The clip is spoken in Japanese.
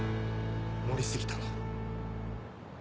盛り過ぎたな。